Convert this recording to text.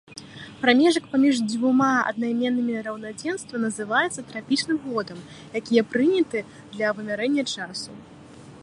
Прамежак паміж дзвюма аднайменнымі раўнадзенства называецца трапічным годам, які і прыняты для вымярэння часу.